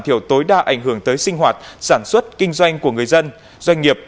chỉ đạo các địa phương